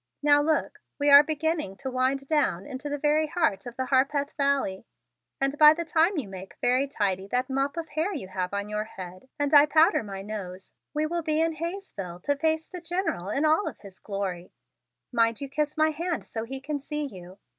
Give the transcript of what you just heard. Now look; we are beginning to wind down into the very heart of the Harpeth Valley, and by the time you make very tidy that mop of hair you have on your head and I powder my nose, we will be in Hayesville to face the General in all of his glory. Mind you kiss my hand so he can see you!